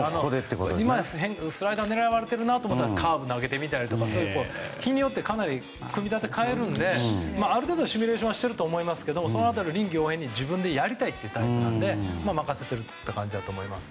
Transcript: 今、スライダーが狙われているなと思ったらカーブを投げてみたり日によってかなり組み立てを変えるのである程度シミュレーションをしていると思いますがその辺りは臨機応変に自分でやりたいというタイプなので任せている感じだと思います。